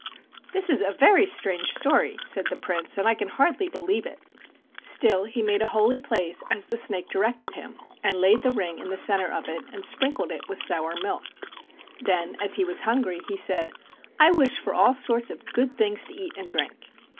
"This is a very strange story," said the Prince, "and I can hardly believe it." Still he made a 35 THE WONDERFUL RING holy place as the snake directed him and laid the ring in the center of it and sprinkled it with sour milk. Then, as he was very hungry, he said, "I wish for all sorts of good things to eat and drink.